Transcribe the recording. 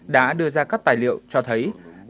đã đưa ra các tài liệu cho thấy